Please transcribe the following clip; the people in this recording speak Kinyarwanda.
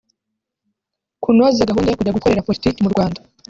Kunoza gahunda yo kujya gukorera politiki mu Rwanda